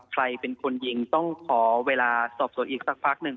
ใครเป็นคนยิงต้องขอเวลาสอบสวนอีกสักพักหนึ่ง